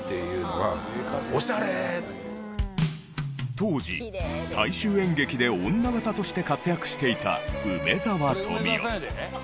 当時大衆演劇で女形として活躍していた梅沢富美男。